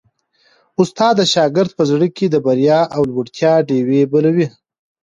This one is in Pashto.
استاد د شاګرد په زړه کي د بریا او لوړتیا ډېوې بلوي.